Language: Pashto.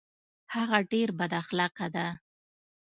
هغه ډیر بد اخلاقه ده